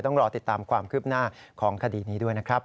ต้องรอติดตามความคืบหน้าของคดีนี้ด้วยนะครับ